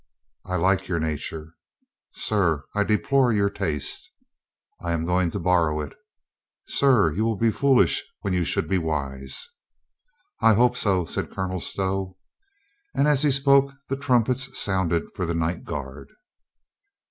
"I like your nature." "Sir, I deplore your taste." "I am going to borrow it" "Sir, you will be foolish when you should be wise." "I hope so," said Colonel Stow. And as he spoke the trumpets sounded for the night guard.